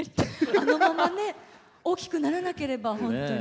あのままね大きくならなければ、本当に。